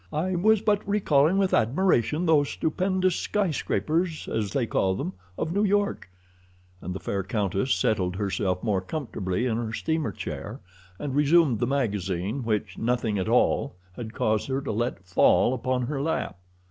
"I was but recalling with admiration those stupendous skyscrapers, as they call them, of New York," and the fair countess settled herself more comfortably in her steamer chair, and resumed the magazine which "nothing at all" had caused her to let fall upon her lap.